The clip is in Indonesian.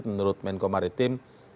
menurut menko maritim